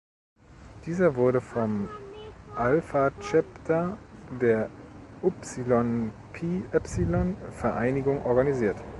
Dieser wurde vom "Alpha Chapter" der Upsilon-Pi-Epsilon-Vereinigung organisiert.